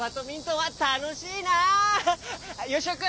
はい！